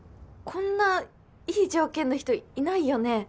こんないい条件の人いないよね。